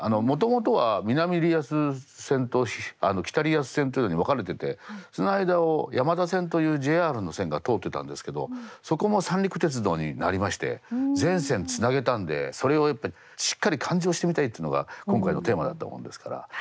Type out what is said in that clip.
もともとは南リアス線と北リアス線というのに分かれててその間を山田線というＪＲの線が通ってたんですけどそこも三陸鉄道になりまして全線つなげたんでそれをやっぱりしっかり完乗してみたいというのが今回のテーマだったもんですから。